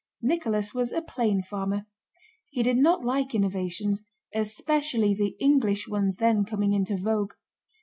Nicholas was a plain farmer: he did not like innovations, especially the English ones then coming into vogue.